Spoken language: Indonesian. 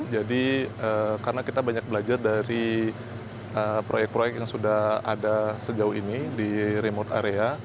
jadi karena kita banyak belajar dari proyek proyek yang sudah ada sejauh ini di remote area